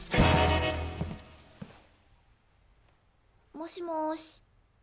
もしもし。